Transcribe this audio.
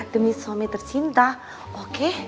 demi suami tercinta oke